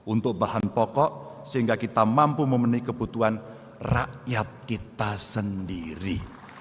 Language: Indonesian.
untuk bahan pokok sehingga kita mampu memenuhi kebutuhan rakyat kita sendiri